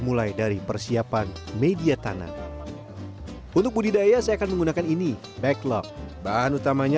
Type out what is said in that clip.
mulai dari persiapan media tanah untuk budidaya saya akan menggunakan ini backlog bahan utamanya